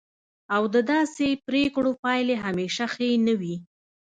او د داسې پریکړو پایلې همیشه ښې نه وي.